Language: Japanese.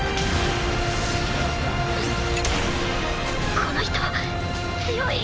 この人強い。